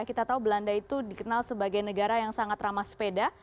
kita tahu belanda itu dikenal sebagai negara yang sangat ramah sepeda